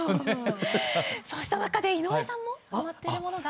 そうした中で井上さんもハマっているものが？